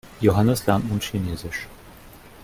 Johannes lernt nun Chinesisch.